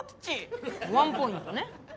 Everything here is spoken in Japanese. ワンポイントね。